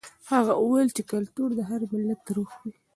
هغه وویل چې کلتور د هر ملت روح وي.